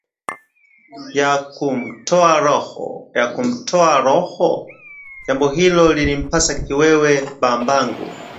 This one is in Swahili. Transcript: ya kumtoa roho? Jambo hilo lilimpa kiwewe babangu